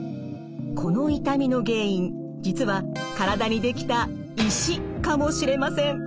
この痛みの原因実は体にできた石かもしれません。